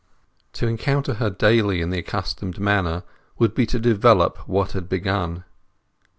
To encounter her daily in the accustomed manner would be to develop what had begun.